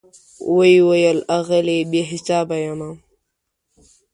وی ویل آغلې , بي حساب یمه